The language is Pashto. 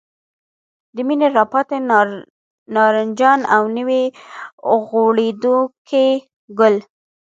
د مني راپاتې نارنجان او نوي غوړېدونکي ګل.